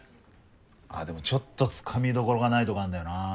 あっでもちょっと掴みどころがないとこあんだよな。